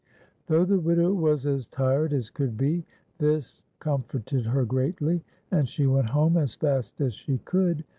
Though the widow was as tired as could be, this comforted her greatU , and she went home as fast as she could.